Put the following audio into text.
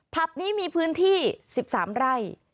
ผับนี้มีพื้นที่๑๓ไร่